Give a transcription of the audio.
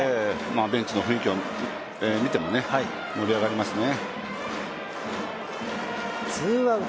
ベンチの雰囲気を見ても盛り上がりますね。